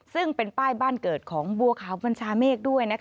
ซึ่งเป็นป้ายบ้านเกิดของบัวขาวบัญชาเมฆด้วย